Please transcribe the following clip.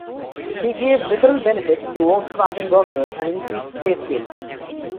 He gave liberal benefits to Volkswagen workers and increased pay scales.